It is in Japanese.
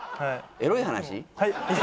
エロい話？